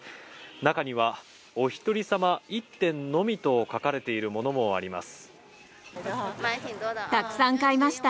中にはお一人様１点のみと書かれているものもあります。